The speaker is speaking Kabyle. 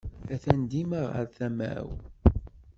Atan dima ɣer tama-w.